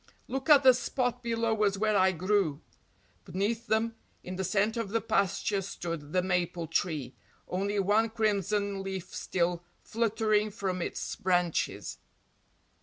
"Look at the spot below us where I grew." Beneath them, in the centre of the pasture, stood the maple tree, only one crimson leaf still fluttering from its branches.